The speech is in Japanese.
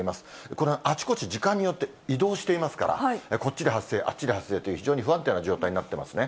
これ、あちこち時間によって移動していますから、こっちで発生、あっちで発生という、非常に不安定な状態になってますね。